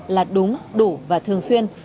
là đúng đủ và thường xuyên